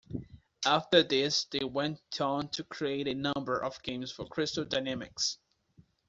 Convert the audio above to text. After this they went on to create a number of games for Crystal Dynamics.